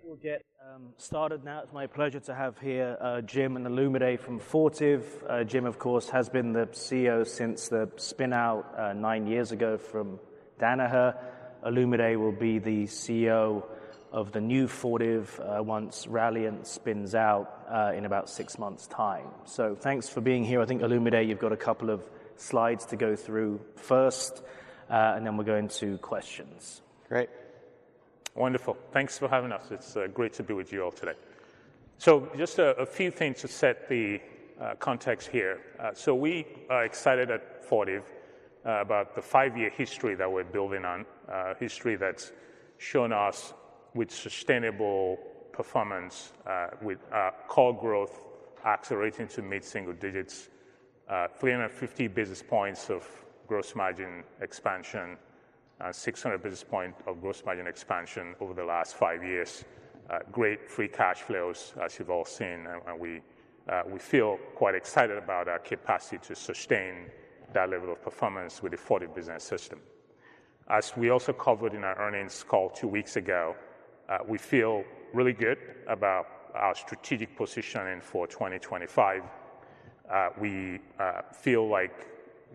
I think we'll get started now. It's my pleasure to have here Jim and Olumide from Fortive. Jim, of course, has been the CEO since the spin-out nine years ago from Danaher. Olumide will be the CEO of the new Fortive, once Precision Technologies spins out, in about six months' time. So thanks for being here. I think, Olumide, you've got a couple of slides to go through first, and then we'll go into questions. Great. Wonderful. Thanks for having us. It's great to be with you all today. So just a few things to set the context here. So we are excited at Fortive about the five-year history that we're building on, history that's shown us with sustainable performance, with core growth accelerating to meet single digits, 350 basis points of gross margin expansion, 600 basis points of gross margin expansion over the last five years. Great free cash flows, as you've all seen. And we feel quite excited about our capacity to sustain that level of performance with the Fortive Business System. As we also covered in our earnings call two weeks ago, we feel really good about our strategic positioning for 2025. We feel like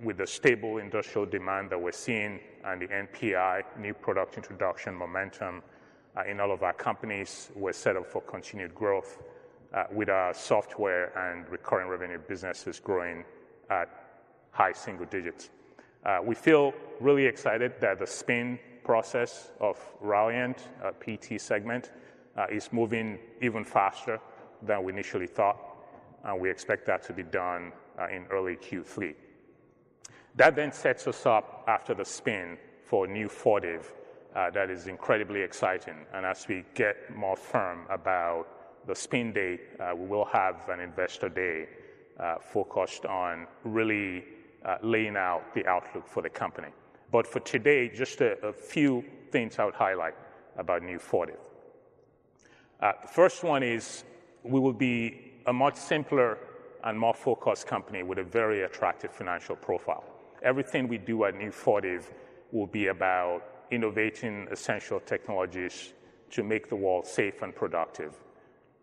with the stable industrial demand that we're seeing and the NPI, new product introduction momentum in all of our companies, we're set up for continued growth with our software and recurring revenue businesses growing at high single digits. We feel really excited that the spin process of Precision Technologies, PT segment, is moving even faster than we initially thought, and we expect that to be done in early Q3. That then sets us up after the spin for new Fortive, that is incredibly exciting, and as we get more firm about the spin date, we will have an investor day focused on really laying out the outlook for the company, but for today, just a few things I would highlight about new Fortive. The first one is we will be a much simpler and more focused company with a very attractive financial profile. Everything we do at new Fortive will be about innovating essential technologies to make the world safe and productive.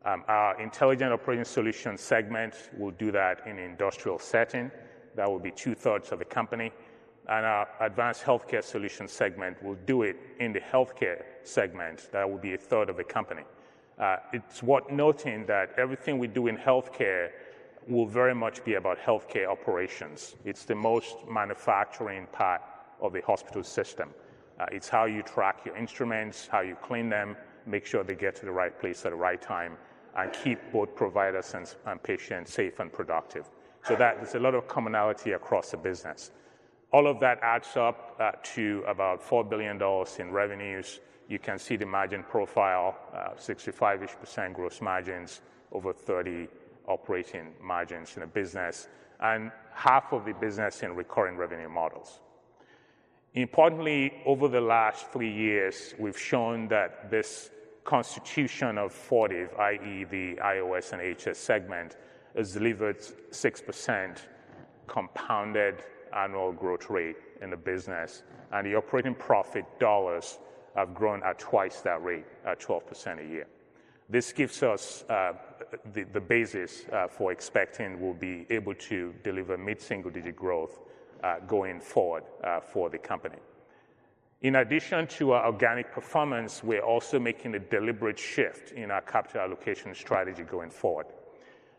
Our Intelligent Operating Solutions segment will do that in an industrial setting. That will be two-thirds of the company. And our Advanced Healthcare Solutions segment will do it in the healthcare segment. That will be a third of the company. It's worth noting that everything we do in healthcare will very much be about healthcare operations. It's the most manufacturing part of a hospital system. It's how you track your instruments, how you clean them, make sure they get to the right place at the right time, and keep both providers and patients safe and productive. So that there's a lot of commonality across the business. All of that adds up to about $4 billion in revenues. You can see the margin profile, 65-ish% gross margins, over 30% operating margins in a business, and half of the business in recurring revenue models. Importantly, over the last three years, we've shown that this constitution of Fortive, i.e., the IOS and AHS segment, has delivered 6% compounded annual growth rate in the business. The operating profit dollars have grown at twice that rate, at 12% a year. This gives us the basis for expecting we'll be able to deliver mid-single-digit growth, going forward, for the company. In addition to our organic performance, we're also making a deliberate shift in our capital allocation strategy going forward.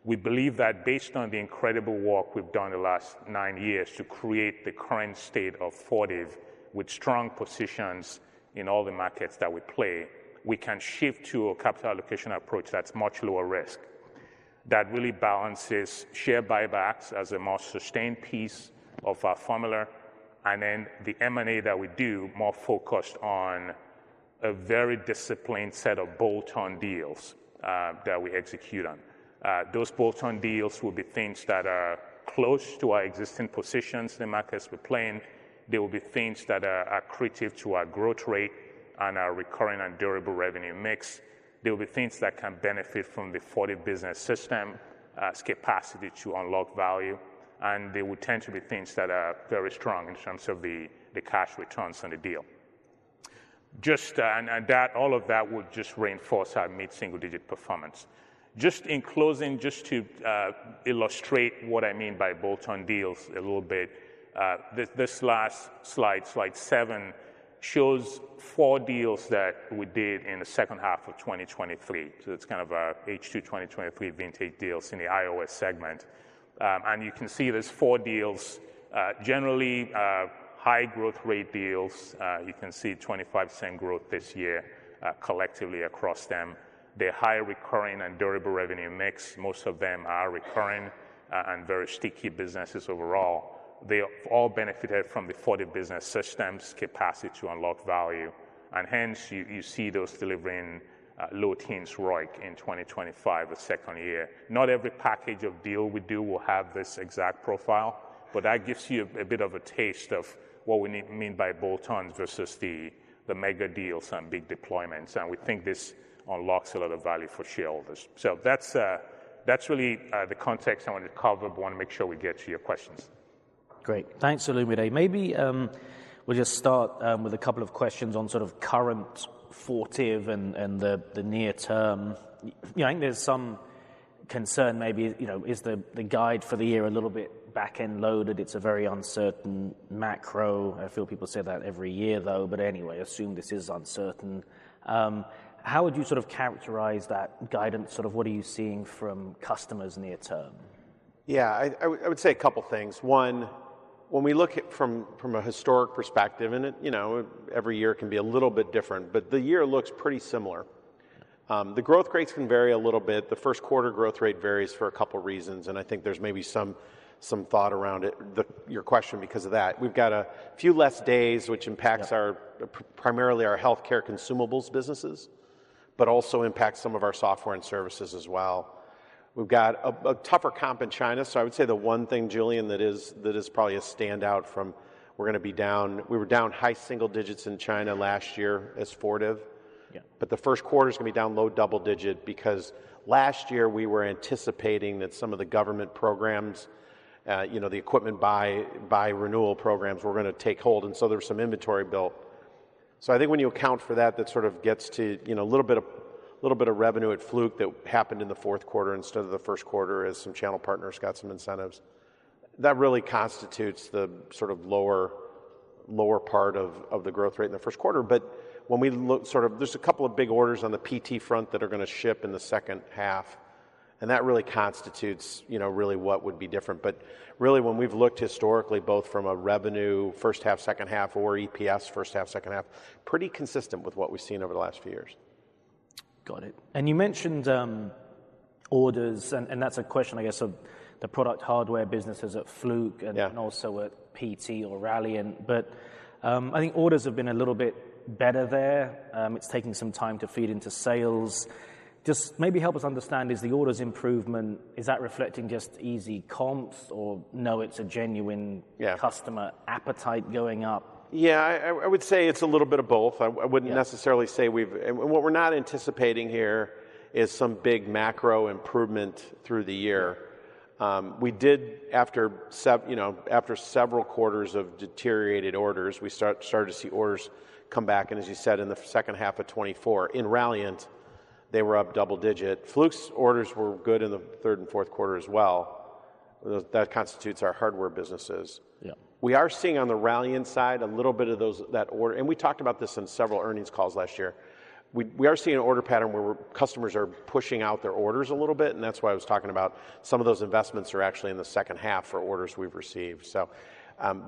We believe that based on the incredible work we've done the last nine years to create the current state of Fortive, with strong positions in all the markets that we play, we can shift to a capital allocation approach that's much lower risk. That really balances share buybacks as a more sustained piece of our formula and then the M&A that we do, more focused on a very disciplined set of bolt-on deals that we execute on. Those bolt-on deals will be things that are close to our existing positions in the markets we're playing. They will be things that are accretive to our growth rate and our recurring and durable revenue mix. They will be things that can benefit from the Fortive Business System, capacity to unlock value. They will tend to be things that are very strong in terms of the cash returns on the deal. Just, and that all of that will just reinforce our mid-single digit performance. Just in closing, just to illustrate what I mean by bolt-on deals a little bit, this last slide, slide seven, shows four deals that we did in the second half of 2023. So it's kind of our H2 2023 vintage deals in the IOS segment. And you can see there's four deals, generally, high growth rate deals. You can see 25% growth this year, collectively across them. They're high recurring and durable revenue mix. Most of them are recurring, and very sticky businesses overall. They've all benefited from the Fortive Business System's capacity to unlock value. And hence, you see those delivering low-teens ROIC in 2025, the second year. Not every package of deal we do will have this exact profile, but that gives you a bit of a taste of what we mean by bolt-ons versus the mega deals and big deployments, and we think this unlocks a lot of value for shareholders, so that's really the context I wanted to cover, but I wanna make sure we get to your questions. Great. Thanks, Olumide. Maybe we'll just start with a couple of questions on sort of current Fortive and the near term. You know, I think there's some concern maybe, you know, is the guide for the year a little bit back-end loaded? It's a very uncertain macro. I feel people say that every year, though. But anyway, assume this is uncertain. How would you sort of characterize that guidance? Sort of what are you seeing from customers near term? Yeah, I would say a couple things. One, when we look at from a historic perspective, and it, you know, every year can be a little bit different, but the year looks pretty similar. The growth rates can vary a little bit. The first quarter growth rate varies for a couple reasons. And I think there's maybe some thought around it, your question because of that. We've got a few less days, which impacts our, primarily our healthcare consumables businesses, but also impacts some of our software and services as well. We've got a tougher comp in China. So I would say the one thing, Julian, that is probably a standout from we're gonna be down, we were down high single digits in China last year as Fortive. Yeah. But the first quarter's gonna be down low double digit because last year we were anticipating that some of the government programs, you know, the equipment buy renewal programs were gonna take hold. And so there was some inventory built. So I think when you account for that, that sort of gets to, you know, a little bit of revenue at Fluke that happened in the fourth quarter instead of the first quarter as some channel partners got some incentives. That really constitutes the sort of lower part of the growth rate in the first quarter. But when we look sort of, there's a couple of big orders on the PT front that are gonna ship in the second half. And that really constitutes, you know, really what would be different. But really, when we've looked historically, both from a revenue first half, second half, or EPS first half, second half, pretty consistent with what we've seen over the last few years. Got it. And you mentioned orders, and that's a question, I guess, of the product hardware businesses at Fluke and. Yeah. Also at PT or Precision Technologies. But, I think orders have been a little bit better there. It's taking some time to feed into sales. Just maybe help us understand, is the orders improvement, is that reflecting just easy comps or, no, it's a genuine. Yeah. Customer appetite going up? Yeah, I would say it's a little bit of both. I wouldn't necessarily say we've, and what we're not anticipating here is some big macro improvement through the year. We did, after several quarters of deteriorated orders, you know, we started to see orders come back. And as you said, in the second half of 2024, in Precision Technologies, they were up double digit. Fluke's orders were good in the third and fourth quarter as well. That constitutes our hardware businesses. Yeah. We are seeing on the Precision Technologies side a little bit of those, that order. And we talked about this in several earnings calls last year. We are seeing an order pattern where customers are pushing out their orders a little bit. And that's why I was talking about some of those investments are actually in the second half for orders we've received. So,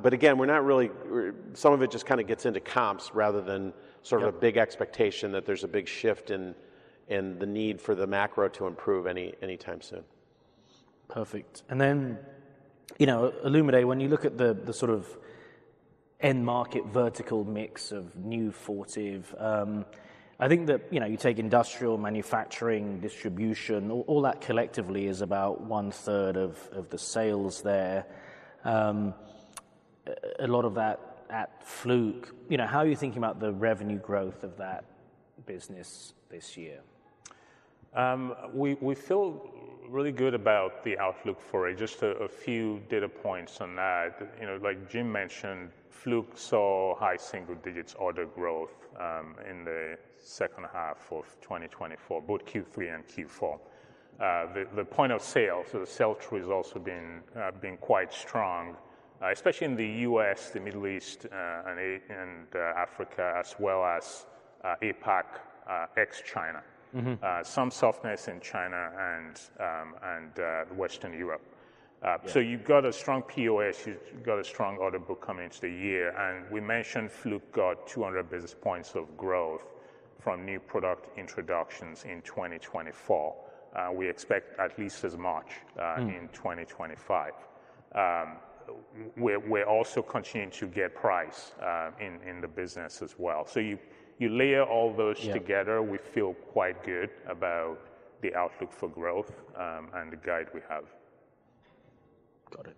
but again, we're not really. We're. Some of it just kind of gets into comps rather than sort of a big expectation that there's a big shift in the need for the macro to improve anytime soon. Perfect. And then, you know, Olumide, when you look at the sort of end market vertical mix of new Fortive, I think that, you know, you take industrial, manufacturing, distribution, all that collectively is about one-third of the sales there. A lot of that at Fluke. You know, how are you thinking about the revenue growth of that business this year? We feel really good about the outlook for it. Just a few data points on that. You know, like Jim mentioned, Fluke saw high single digits order growth in the second half of 2024, both Q3 and Q4. The point of sale, so the sales through has also been quite strong, especially in the U.S., the Middle East, and Africa, as well as APAC, ex-China. Mm-hmm. Some softness in China and Western Europe. So you've got a strong POS. You've got a strong order book coming into the year. And we mentioned Fluke got 200 basis points of growth from new product introductions in 2024. We expect at least as much in 2025. We're also continuing to get price in the business as well. You layer all those together. Yeah. We feel quite good about the outlook for growth, and the guide we have. Got it.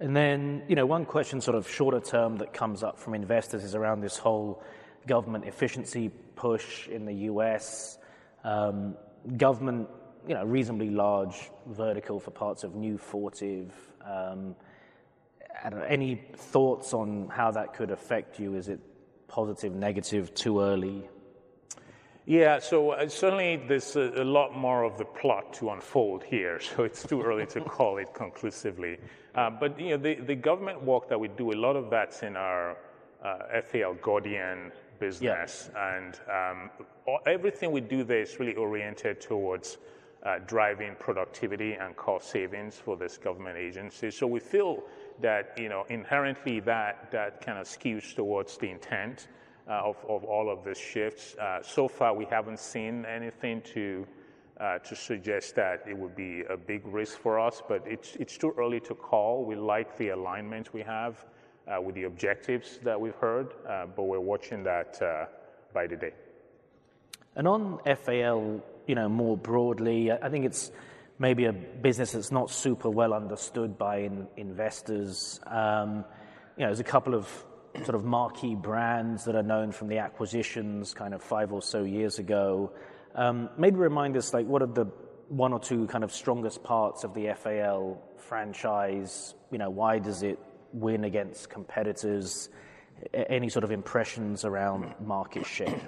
And then, you know, one question sort of shorter term that comes up from investors is around this whole government efficiency push in the U.S. government, you know, reasonably large vertical for parts of new Fortive. Any thoughts on how that could affect you? Is it positive, negative, too early? Yeah. So certainly there's a lot more of the plot to unfold here, so it's too early to call it conclusively. But, you know, the government work that we do, a lot of that's in our FAL Gordian business. Yes. Everything we do there is really oriented towards driving productivity and cost savings for this government agency. We feel that, you know, inherently that kind of skews towards the intent of all of the shifts. So far, we haven't seen anything to suggest that it would be a big risk for us, but it's too early to call. We like the alignment we have with the objectives that we've heard, but we're watching that by the day. On FAL, you know, more broadly, I think it's maybe a business that's not super well understood by investors. You know, there's a couple of sort of marquee brands that are known from the acquisitions kind of five or so years ago. Maybe remind us, like, what are the one or two kind of strongest parts of the FAL franchise? You know, why does it win against competitors? Any sort of impressions around market share? Yeah.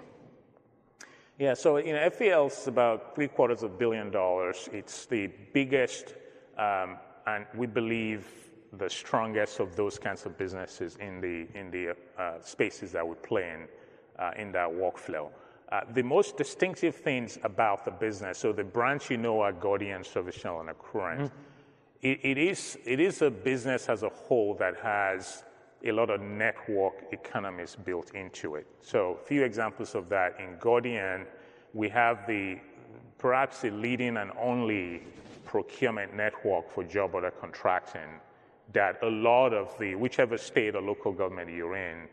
So, you know, FAL's about $750 million. It's the biggest, and we believe the strongest of those kinds of businesses in the spaces that we play in, in that workflow. The most distinctive things about the business, so the brands you know are Gordian, ServiceChannel, and Accruent. Mm-hmm. It is a business as a whole that has a lot of network economies built into it, so a few examples of that. In Gordian, we have perhaps the leading and only procurement network for job order contracting that a lot of the, whichever state or local government you're in,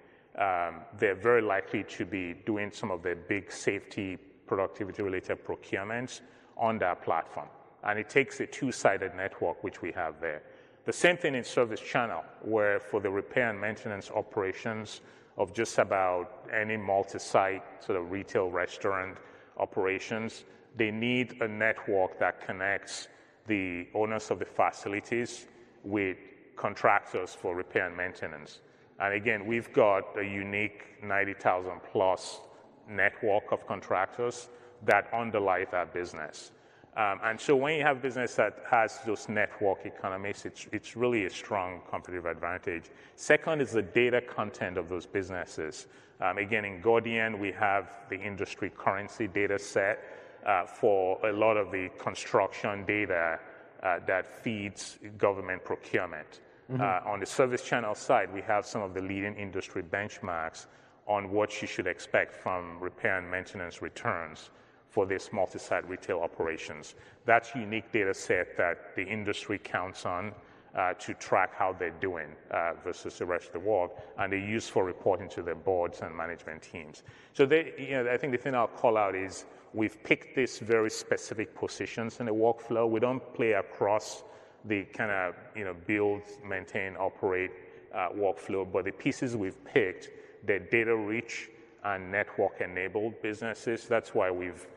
they're very likely to be doing some of their big safety productivity-related procurements on that platform, and it takes a two-sided network, which we have there. The same thing in ServiceChannel, where for the repair and maintenance operations of just about any multi-site sort of retail restaurant operations, they need a network that connects the owners of the facilities with contractors for repair and maintenance, and again, we've got a unique 90,000-plus network of contractors that underlie that business. And so when you have business that has those network economies, it's, it's really a strong competitive advantage. Second is the data content of those businesses. Again, in Gordian, we have the industry currency data set, for a lot of the construction data, that feeds government procurement. Mm-hmm. On the ServiceChannel side, we have some of the leading industry benchmarks on what you should expect from repair and maintenance returns for these multi-site retail operations. That's a unique data set that the industry counts on to track how they're doing versus the rest of the world. And they're used for reporting to their boards and management teams. So they, you know, I think the thing I'll call out is we've picked this very specific positions in the workflow. We don't play across the kind of, you know, build, maintain, operate, workflow, but the pieces we've picked, they're data-rich and network-enabled businesses. That's why we've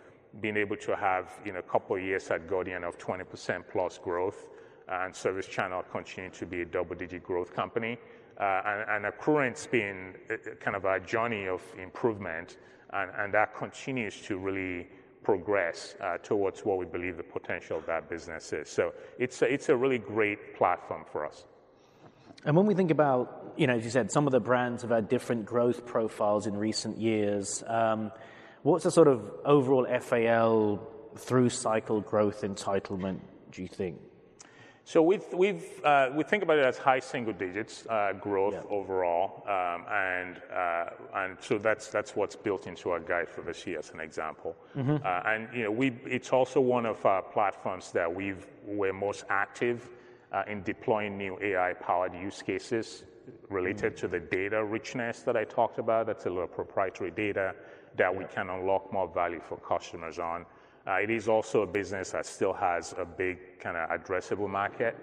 been able to have, in a couple of years at Gordian, of 20%+ growth. And ServiceChannel continued to be a double-digit growth company. And Accruent's been kind of our journey of improvement. That continues to really progress towards what we believe the potential of that business is. So it's a really great platform for us. When we think about, you know, as you said, some of the brands have had different growth profiles in recent years, what's the sort of overall FAL through-cycle growth entitlement, do you think? So we think about it as high single digits growth overall. Yeah. and so that's what's built into our guide for this year as an example. Mm-hmm. You know, we, it's also one of our platforms that we're most active in deploying new AI-powered use cases related to the data richness that I talked about. That's a little proprietary data that we can unlock more value for customers on. It is also a business that still has a big kind of addressable market.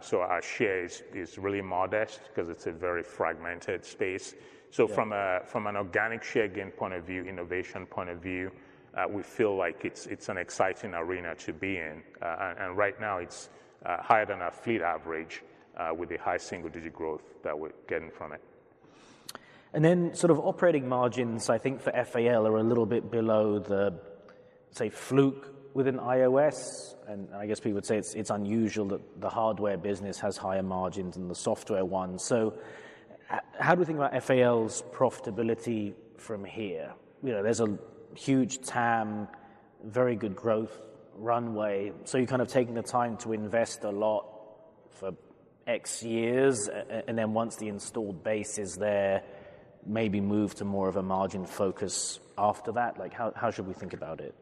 So our share is really modest 'cause it's a very fragmented space. So from an organic share gain point of view, innovation point of view, we feel like it's an exciting arena to be in. And right now it's higher than our fleet average, with the high single-digit growth that we're getting from it. And then sort of operating margins, I think for FAL are a little bit below the, say, Fluke within IOS. And I guess people would say it's unusual that the hardware business has higher margins than the software one. So how do we think about FAL's profitability from here? You know, there's a huge TAM, very good growth runway. So you're kind of taking the time to invest a lot for X years, and then once the installed base is there, maybe move to more of a margin focus after that? Like, how should we think about it?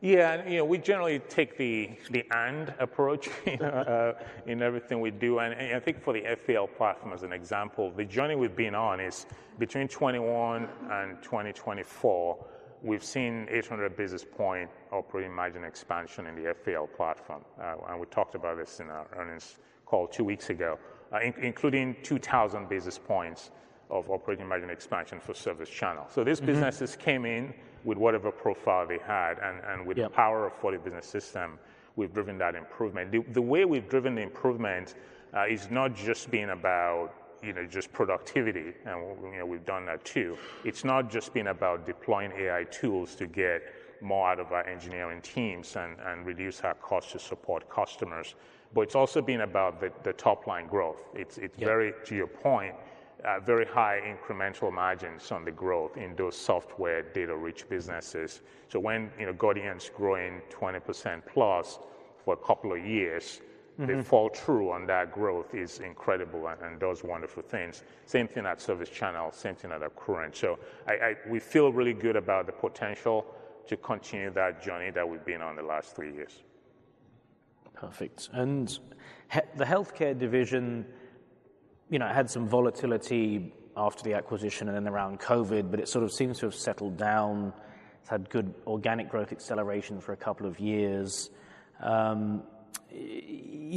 Yeah. And, you know, we generally take the and approach in everything we do. And I think for the FAL platform as an example, the journey we've been on is between 2021 and 2024, we've seen 800 basis points operating margin expansion in the FAL platform. And we talked about this in our earnings call two weeks ago, including 2,000 basis points of operating margin expansion for ServiceChannel. So this business just came in with whatever profile they had. And with the power of FBS, we've driven that improvement. The way we've driven the improvement is not just about, you know, just productivity. And we, you know, we've done that too. It's not just been about deploying AI tools to get more out of our engineering teams and reduce our cost to support customers. But it's also been about the top-line growth. It's very, to your point, very high incremental margins on the growth in those software data-rich businesses. So when, you know, Gordian's growing 20%+ for a couple of years. Mm-hmm. They follow through on that. Growth is incredible and does wonderful things. Same thing at ServiceChannel, same thing at Accruent. So, we feel really good about the potential to continue that journey that we've been on the last three years. Perfect. And in the healthcare division, you know, had some volatility after the acquisition and then around COVID, but it sort of seems to have settled down. It's had good organic growth acceleration for a couple of years. You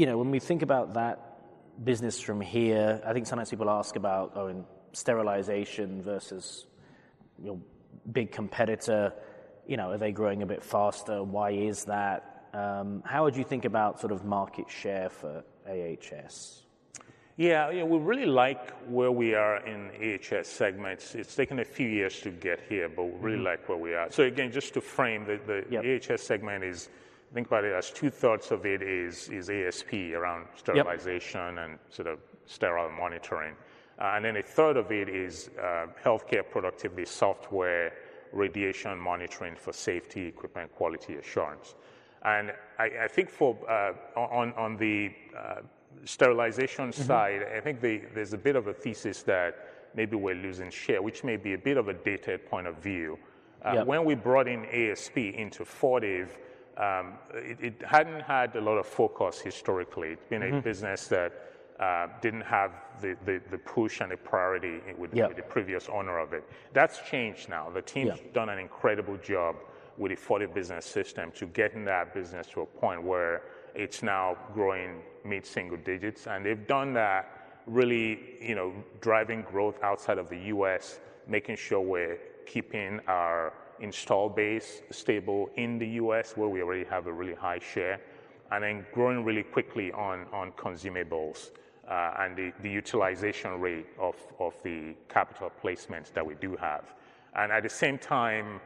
know, when we think about that business from here, I think sometimes people ask about, oh, in sterilization versus, you know, big competitor, you know, are they growing a bit faster? Why is that? How would you think about sort of market share for AHS? Yeah. You know, we really like where we are in AHS segments. It's taken a few years to get here, but we really like where we are. So again, just to frame the. Yeah. AHS segment is, think about it as two-thirds of it is ASP around sterilization. Yeah. Sort of sterile monitoring. And then a third of it is healthcare productivity software, radiation monitoring for safety, equipment quality assurance. I think for, on the, sterilization side. Mm-hmm. I think there's a bit of a thesis that maybe we're losing share, which may be a bit of a dated point of view. Yeah. When we brought in ASP into Fortive, it hadn't had a lot of focus historically. It's been a business that didn't have the push and the priority with the previous owner of it. That's changed now. The team's. Yeah. done an incredible job with the Fortive Business System to get that business to a point where it's now growing mid-single digits. And they've done that really, you know, driving growth outside of the U.S., making sure we're keeping our installed base stable in the U.S., where we already have a really high share. And then growing really quickly on consumables, and the utilization rate of the capital placements that we do have. And at the same time,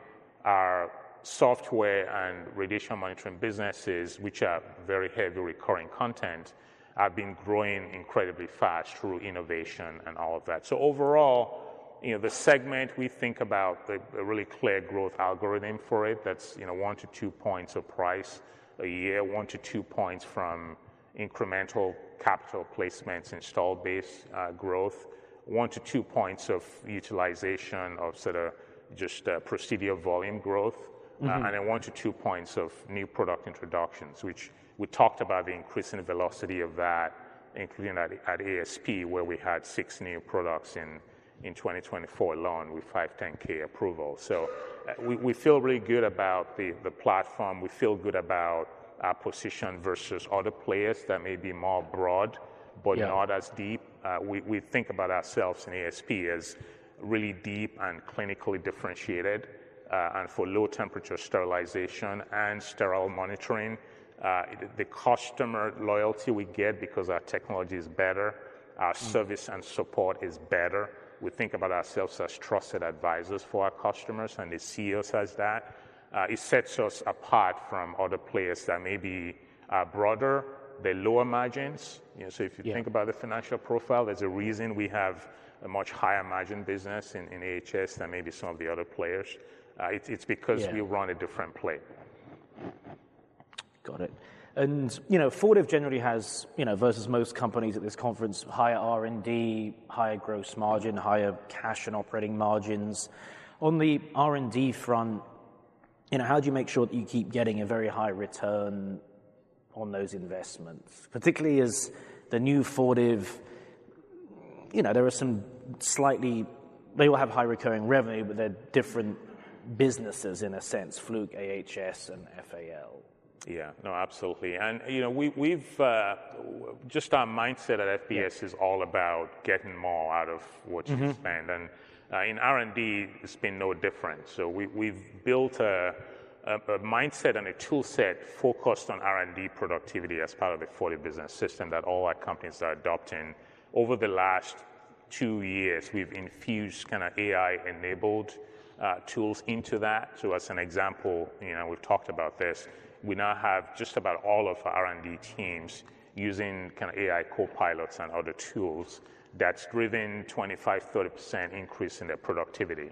our software and radiation monitoring businesses, which are very heavy recurring content, have been growing incredibly fast through innovation and all of that. So overall, you know, the segment we think about, the really clear growth algorithm for it, that's, you know, one to two points of price a year, one to two points from incremental capital placements, install base growth, one to two points of utilization of sort of just procedural volume growth. Mm-hmm. And then one to two points of new product introductions, which we talked about the increase in the velocity of that, including at ASP, where we had six new products in 2024 alone with 510(k) approval. So, we feel really good about the platform. We feel good about our position versus other players that may be more broad. Yeah. But not as deep. We think about ourselves in ASP as really deep and clinically differentiated, and for low-temperature sterilization and sterile monitoring. The customer loyalty we get because our technology is better, our service and support is better. We think about ourselves as trusted advisors for our customers, and the CEO says that. It sets us apart from other players that may be broader, the lower margins. You know, so if you think about the financial profile, there's a reason we have a much higher margin business in AHS than maybe some of the other players. It's because we run a different play. Got it. And, you know, Fortive generally has, you know, versus most companies at this conference, higher R&D, higher gross margin, higher cash and operating margins. On the R&D front, you know, how do you make sure that you keep getting a very high return on those investments, particularly as the new Fortive, you know, there are some slightly, they will have high recurring revenue, but they're different businesses in a sense, Fluke, AHS, and FAL? Yeah. No, absolutely. And, you know, we've just our mindset at FBS is all about getting more out of what you spend. Mm-hmm. And, in R&D, it's been no different. So we've built a mindset and a toolset focused on R&D productivity as part of the Fortive Business System that all our companies are adopting. Over the last two years, we've infused kind of AI-enabled tools into that. So as an example, you know, we've talked about this. We now have just about all of our R&D teams using kind of AI copilots and other tools that's driven 25%-30% increase in their productivity,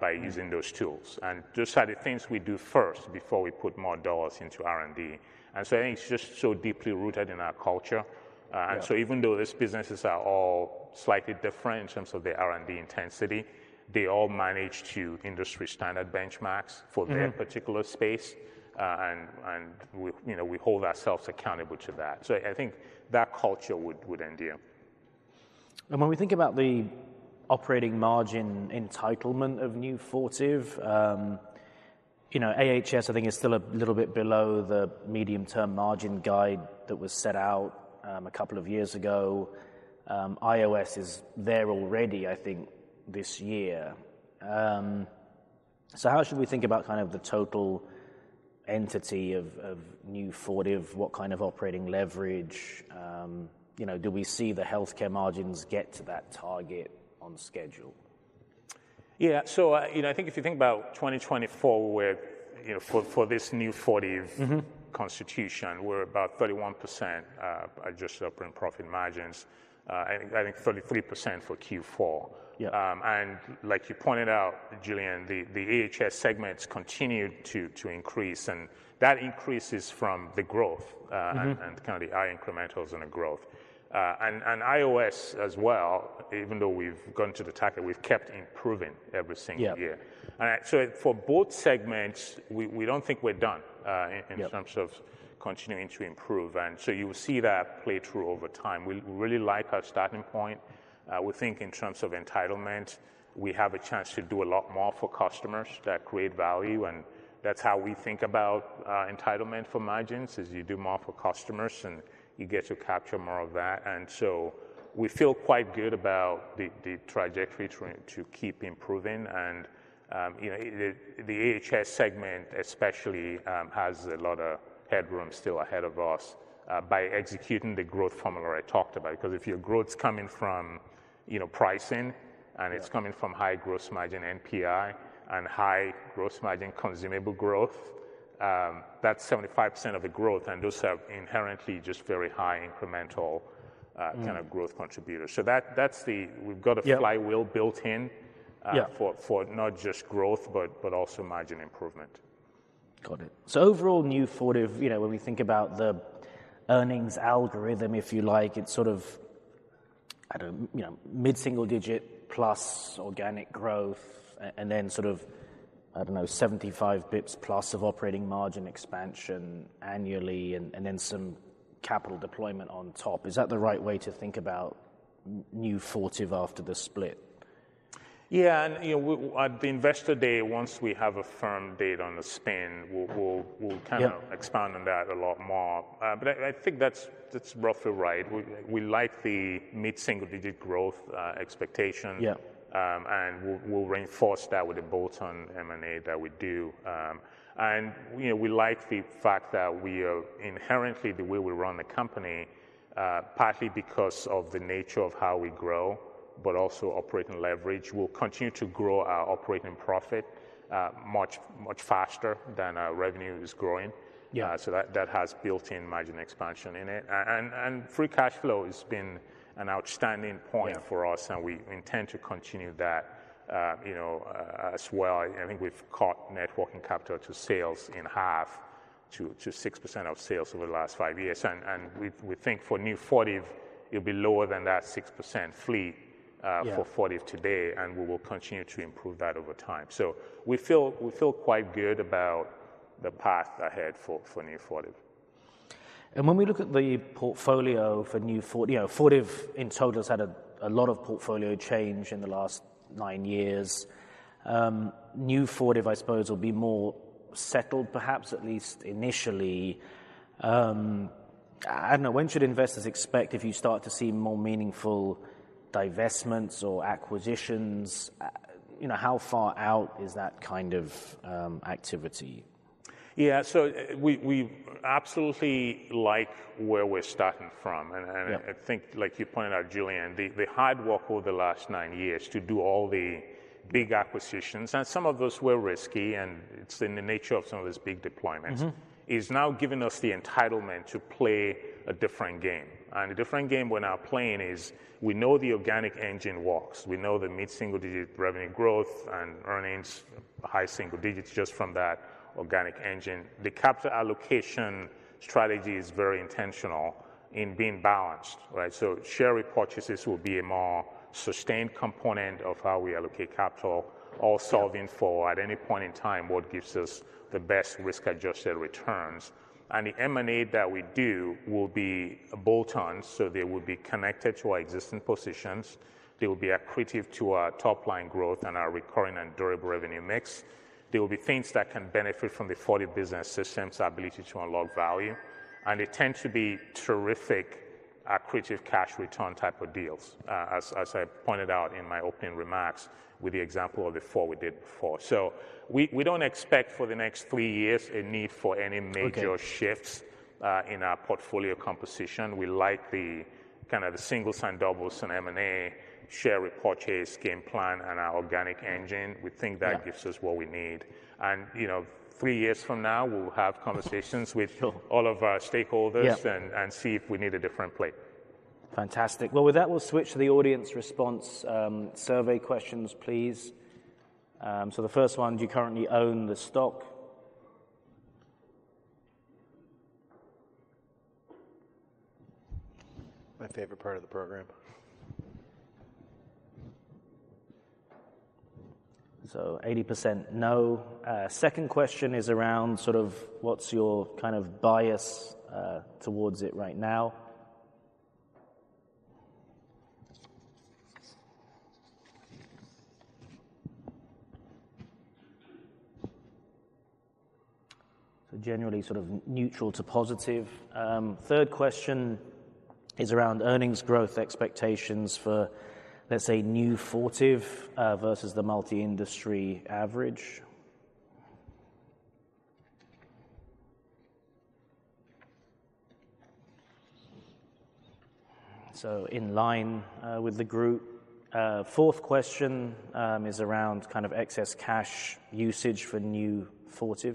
by using those tools. And those are the things we do first before we put more dollars into R&D. And so I think it's just so deeply rooted in our culture, and so even though these businesses are all slightly different in terms of their R&D intensity, they all manage to industry-standard benchmarks for their particular space. We, you know, hold ourselves accountable to that. So I think that culture would end here. When we think about the operating margin entitlement of new Fortive, you know, AHS, I think, is still a little bit below the medium-term margin guide that was set out, a couple of years ago. IOS is there already, I think, this year. How should we think about kind of the total entity of new Fortive, what kind of operating leverage? You know, do we see the healthcare margins get to that target on schedule? Yeah. So, you know, I think if you think about 2024, we're, you know, for this new Fortive. Mm-hmm. Consistent, we're about 31% adjusted operating profit margins, and I think 33% for Q4. Yeah. And like you pointed out, Julian, the AHS segments continue to increase. And that increase is from the growth, and kind of the high incrementals and the growth. And IOS as well, even though we've gone to the target, we've kept improving every single year. Yeah. And so for both segments, we don't think we're done in terms of continuing to improve. And so you will see that play through over time. We really like our starting point. We think in terms of entitlement, we have a chance to do a lot more for customers that create value. And that's how we think about entitlement for margins, is you do more for customers and you get to capture more of that. And so we feel quite good about the trajectory to keep improving. And you know, the AHS segment especially has a lot of headroom still ahead of us by executing the growth formula I talked about. Because if your growth's coming from you know pricing and it's coming from high gross margin NPI and high gross margin consumable growth, that's 75% of the growth. Those are inherently just very high incremental, kind of growth contributors. So that's the. We've got a flywheel built in. Yeah. for not just growth, but also margin improvement. Got it. So overall, new Fortive, you know, when we think about the earnings algorithm, if you like, it's sort of, I don't know, you know, mid-single digit plus organic growth, and then sort of, I don't know, 75 basis points plus of operating margin expansion annually, and then some capital deployment on top. Is that the right way to think about new Fortive after the split? Yeah. And, you know, we at the investor day, once we have a firm date on the spin, we'll kind of expand on that a lot more. But I think that's roughly right. We like the mid-single digit growth expectation. Yeah. We'll reinforce that with the bolt-on M&A that we do. You know, we like the fact that we are inherently the way we run the company, partly because of the nature of how we grow, but also operating leverage. We'll continue to grow our operating profit, much, much faster than our revenue is growing. Yeah. So that that has built-in margin expansion in it, and free cash flow has been an outstanding point for us. Yeah. We intend to continue that, you know, as well. I think we've cut net working capital to sales in half to 6% of sales over the last five years. We think for new Fortive, it'll be lower than that 6% for Fortive today. Yeah. We will continue to improve that over time. We feel quite good about the path ahead for new Fortive. When we look at the portfolio for new Fortive, you know, Fortive in total has had a lot of portfolio change in the last nine years. New Fortive, I suppose, will be more settled, perhaps at least initially. I don't know. When should investors expect, if you start to see more meaningful divestments or acquisitions, you know, how far out is that kind of activity? Yeah, so we absolutely like where we're starting from. Yeah. I think, like you pointed out, Julian, the hard work over the last nine years to do all the big acquisitions, and some of those were risky, and it's in the nature of some of these big deployments. Mm-hmm. Is now giving us the entitlement to play a different game. And a different game we're now playing is we know the organic engine works. We know the mid-single digit revenue growth and earnings, high single digits just from that organic engine. The capital allocation strategy is very intentional in being balanced, right? So share repurchases will be a more sustained component of how we allocate capital, all solving for, at any point in time, what gives us the best risk-adjusted returns. And the M&A that we do will be bolt-on, so they will be connected to our existing positions. They will be accretive to our top-line growth and our recurring and durable revenue mix. There will be things that can benefit from the Fortive Business System's ability to unlock value. And they tend to be terrific accretive cash return type of deals, as I pointed out in my opening remarks with the example of the four we did before. So we don't expect for the next three years a need for any major shifts. Okay. In our portfolio composition. We like the kind of the singles and doubles and M&A, share repurchase, game plan, and our organic engine. We think that gives us what we need. And, you know, three years from now, we'll have conversations with all of our stakeholders. Yeah. And, see if we need a different play. Fantastic. Well, with that, we'll switch to the audience response survey questions, please, so the first one, do you currently own the stock? My favorite part of the program. 80% no. Second question is around sort of what's your kind of bias towards it right now? So generally sort of neutral to positive. Third question is around earnings growth expectations for, let's say, new Fortive, versus the multi-industry average. So in line with the group. Fourth question is around kind of excess cash usage for new Fortive.